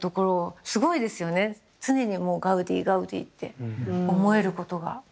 常にもうガウディガウディって思えることが。